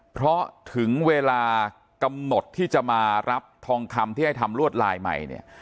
เพราะถึงเวลากำหนดที่จะมารับทองคำที่ให้ทำลวดลายใหม่เนี่ย